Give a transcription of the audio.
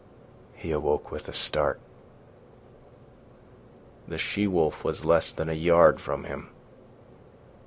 He awoke with a start. The she wolf was less than a yard from him.